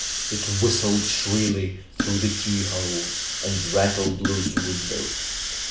It whistled shrilly through the key holes and rattled loose windows.